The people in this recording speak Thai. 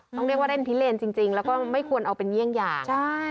ต้องเรียกว่าเล่นพิเลนจริงแล้วก็ไม่ควรเอาเป็นเยี่ยงอย่าง